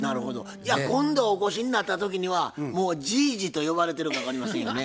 じゃあ今度お越しになった時にはもうじいじと呼ばれてるか分かりませんよね。